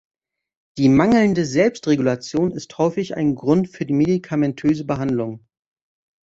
Die mangelnde Selbstregulation ist häufig ein Grund für medikamentöse Behandlung.